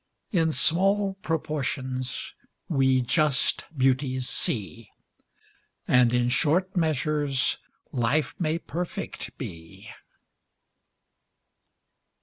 In small proportions we just beauties see; And in short measures life may perfect be.